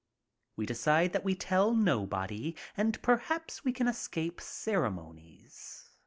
We decide that we tell no body and perhaps we can escape ceremonies.